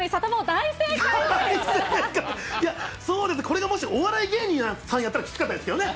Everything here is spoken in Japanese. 大正解、いや、そうです、これがもしお笑い芸人さんやったら、きつかったですけどね。